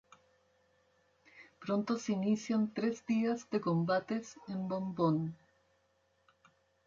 Pronto se inician tres días de combates en Bombón.